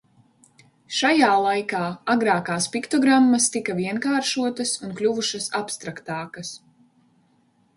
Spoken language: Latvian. Šajā laikā agrākās piktogrammas tika vienkāršotas un kļuvušas abstraktākas.